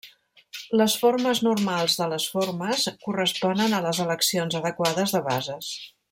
Les formes normals de les formes corresponen a eleccions adequades de bases.